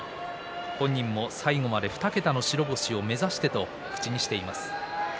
本人も最後まで２桁の白星を目指してと口にしています。